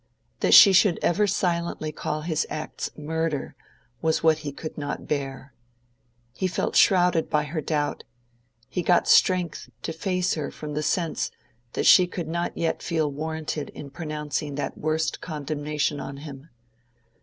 That she should ever silently call his acts Murder was what he could not bear. He felt shrouded by her doubt: he got strength to face her from the sense that she could not yet feel warranted in pronouncing that worst condemnation on him.